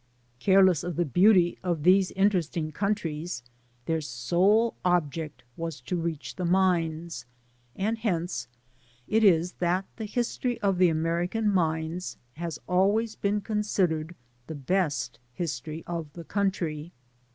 Careless of the beauty of these interesting countries, their sole object was to reach the mines ; and hence it is that the history of the American mines has always been considered the best history of the country.